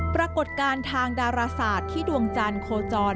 ปรากฏการณ์ทางดาราศาสตร์ที่ดวงจันทร์โคจร